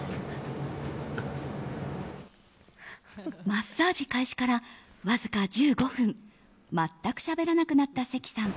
マッサージ開始からわずか１５分全くしゃべらなくなった関さん。